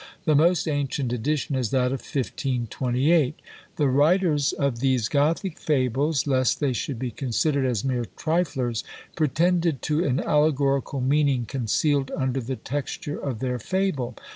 The most ancient edition is that of 1528. The writers of these Gothic fables, lest they should be considered as mere triflers, pretended to an allegorical meaning concealed under the texture of their fable.